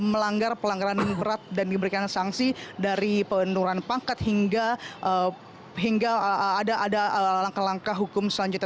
melanggar pelanggaran berat dan diberikan sanksi dari penurunan pangkat hingga ada langkah langkah hukum selanjutnya